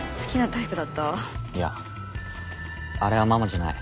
いやあれはママじゃない。